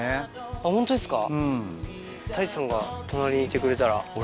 あっホントですか。